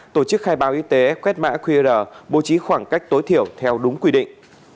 tổ chức khai báo y tế quét mã qr bố trí khoảng cách tối thiểu theo đúng quy định